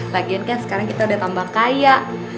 bagian kan sekarang kita udah tambah kaya